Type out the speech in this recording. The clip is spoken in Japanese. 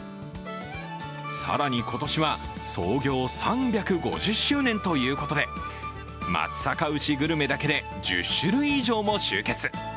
更に今年は創業３５０周年ということで松阪牛グルメだけで１０種類以上も集結。